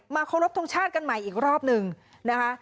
เคารพทงชาติกันใหม่อีกรอบหนึ่งนะคะ